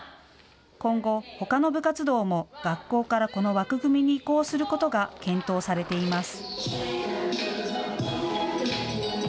今後、ほかの部活動も学校からこの枠組みに移行することが検討されています。